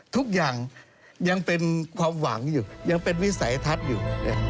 ทุกอย่างยังเป็นความหวังอยู่ยังเป็นวิสัยทัศน์อยู่